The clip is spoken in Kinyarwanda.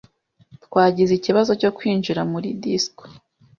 Twagize ikibazo cyo kwinjira muri disco.